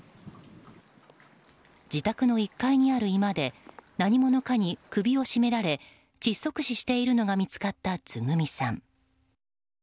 自宅の１階にある居間で何者かに首を絞められ窒息死しているのが見つかったつぐみさん。